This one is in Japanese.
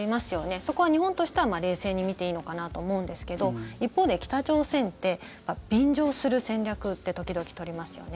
そこは日本としては冷静に見ていいのかなと思うんですけど一方で北朝鮮って便乗する戦略って時々取りますよね。